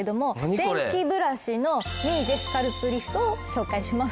電気ブラシのミーゼスカルプリフトを紹介します。